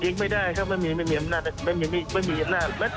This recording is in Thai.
ยิงไม่ได้ครับไม่มีอำนาจไม่มีอำนาจแต่อำนาจในการสวดพ้นยังไม่ดีเลยนะครับ